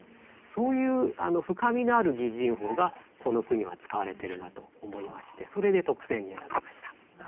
そういう深みのある擬人法がこの句には使われてるなと思いましてそれで特選に選びました。